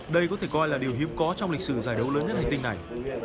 đây có thể coi là điều hiếm có trong lịch sử giải đấu lớn nhất hành tinh này